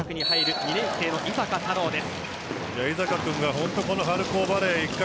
２年生・井坂太郎です。